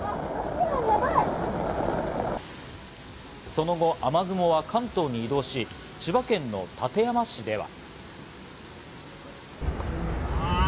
その後、雨雲は関東に移動し、千葉県の館山市では。